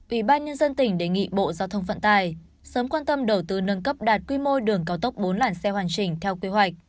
ủy ban nhân dân tỉnh đề nghị bộ giao thông vận tài sớm quan tâm đầu tư nâng cấp đạt quy mô đường cao tốc bốn làn xe hoàn chỉnh theo quy hoạch